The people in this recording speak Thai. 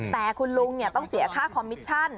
แต่คุณลุงต้องเสียค่าคอมมิชชั่น